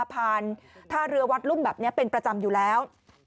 ผ่านท่าเรือวัดรุ่มแบบนี้เป็นประจำอยู่แล้ว